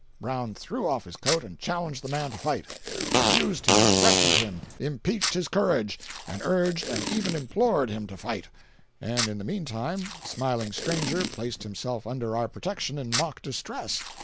Brown threw off his coat and challenged the man to fight—abused him, threatened him, impeached his courage, and urged and even implored him to fight; and in the meantime the smiling stranger placed himself under our protection in mock distress.